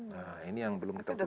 nah ini yang belum kita ketahui